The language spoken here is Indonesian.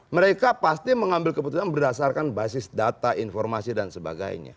mereka pasti mengambil keputusan berdasarkan basis data informasi dan sebagainya